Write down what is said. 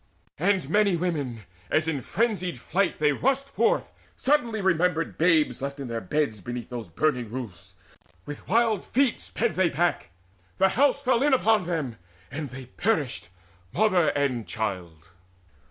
And many women, as in frenzied flight They rushed forth, suddenly remembered babes Left in their beds beneath those burning roofs: With wild feet sped they back the house fell in Upon them, and they perished, mother and child.